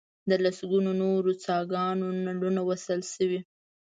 د لسګونو نورو څاګانو نلونه وصل شوي.